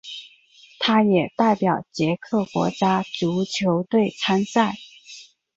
他也代表捷克国家足球队参赛。